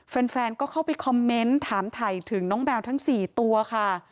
แฟนก็เข้าไปคอมเมนต์ถามถ่ายถึงน้องแมวทั้ง๔ตัวค่ะ